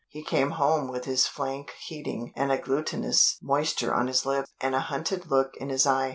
He came home with his flank heating and a glutinous moisture on his lip, and a hunted look in his eye.